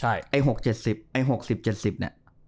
ไอ้๖๐๗๐ไอ้๖๐๗๐เนี่ย